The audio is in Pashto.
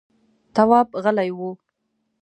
تواب غلی و…